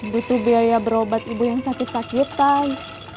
butuh biaya berobat ibu yang sakit sakitan